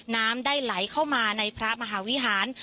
น้ำได้ไหลเข้ามาในพระมหาวิหาร